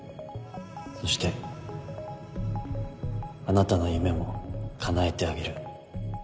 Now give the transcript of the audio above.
そしてあなたの夢もかなえてあげる